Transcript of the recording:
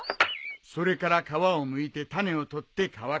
それから皮をむいて種を取って乾かす。